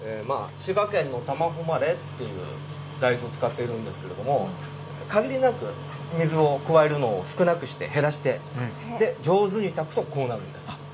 滋賀県のたまほまれという大豆を使ってるんですけれども、限りなく水を加えるのを少なくして、減らして、上手に炊くとこうなるんです。